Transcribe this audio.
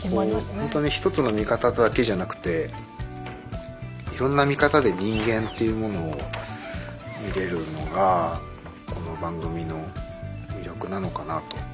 ほんとに一つの見方だけじゃなくていろんな見方で人間っていうものを見れるのがこの番組の魅力なのかなあと。